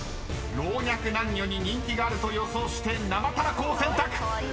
老若男女に人気があると予想して生たらこを選択］